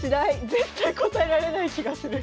絶対答えられない気がする。